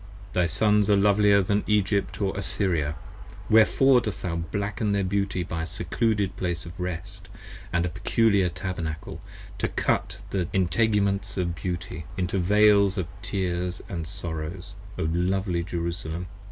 Thy Sons are lovelier than Egypt or Assyria: wherefore Dost thou blacken their beauty by a Secluded place of rest, And a peculiar Tabernacle, to cut the integuments of beauty Into veils of tears and sorrows, O lovely Jerusalem!